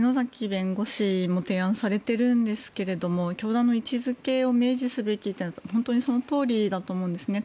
弁護士も提案されているんですけれども教団の位置付けを明示すべきというのは本当にそのとおりだと思うんですね。